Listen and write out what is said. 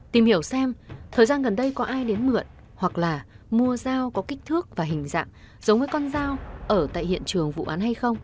tìm hiểu xem thời gian gần đây có ai đến mượn hoặc là mua dao có kích thước và hình dạng giống với con dao ở tại hiện trường vụ án hay không